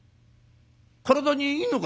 体にいいのか？』